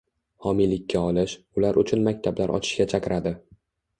homiylikka olish, ular uchun maktablar ochishga chaqiradi.